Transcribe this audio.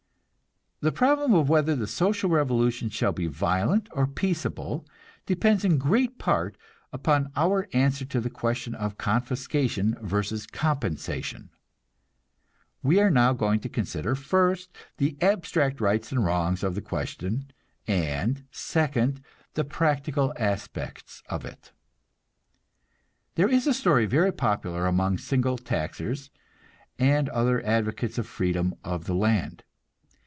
The problem of whether the social revolution shall be violent or peaceable depends in great part upon our answer to the question of confiscation versus compensation. We are now going to consider, first, the abstract rights and wrongs of the question, and, second, the practical aspects of it. There is a story very popular among single taxers and other advocates of freedom of the land.